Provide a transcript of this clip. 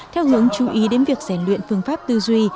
theo hướng chú ý đến việc rèn luyện phương pháp tư duy